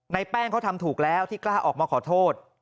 แป้งเขาทำถูกแล้วที่กล้าออกมาขอโทษ